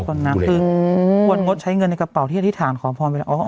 คุณตว่างศตินงศิษย์ใช้เงินในกระเป๋าที่อธิษฐานขอพรวม